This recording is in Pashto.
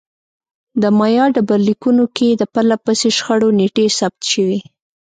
د مایا ډبرلیکونو کې د پرله پسې شخړو نېټې ثبت شوې